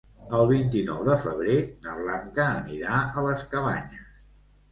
El vint-i-nou de febrer na Blanca anirà a les Cabanyes.